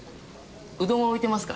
うどんは置いてますか？